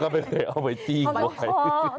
ไม่เคยเอาไว้จิ้งไว้